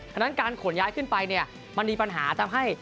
ฉะนั้นการขนย้ายขึ้นไปเนี่ยมันมีปัญหาทำให้